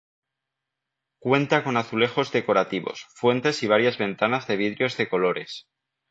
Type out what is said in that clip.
Cuenta con azulejos decorativos, fuentes y varias ventanas de vidrios de colores.